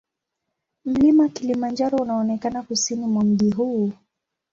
Mlima Kilimanjaro unaonekana kusini mwa mji huu.